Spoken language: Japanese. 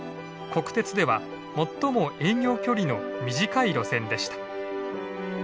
国鉄では最も営業距離の短い路線でした。